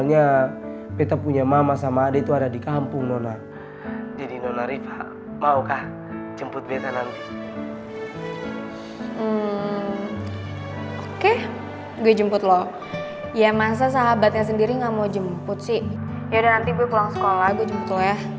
yaudah nanti gue pulang sekolah gue jemput lo ya